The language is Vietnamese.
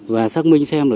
và xác minh xem là